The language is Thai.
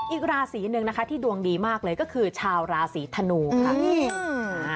อีกราศีหนึ่งนะคะที่ดวงดีมากเลยก็คือชาวราศีธนูค่ะนี่เอง